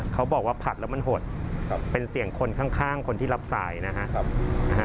เขาบอกว่าผัดแล้วมันหดเป็นเสียงคนข้างคนที่รับสายนะครับ